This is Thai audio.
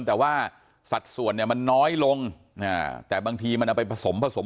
แต่ว่าสัดส่วนเนี่ยมันน้อยลงแต่บางทีมันเอาไปผสมผสม